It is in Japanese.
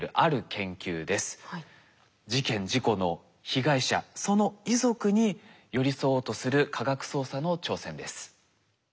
事件事故の被害者その遺族に寄り添おうとする科学捜査の挑戦です。